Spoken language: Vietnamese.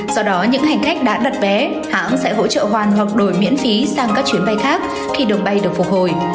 do đó những hành khách đã đặt vé hãng sẽ hỗ trợ hoàn hoặc đổi miễn phí sang các chuyến bay khác khi đường bay được phục hồi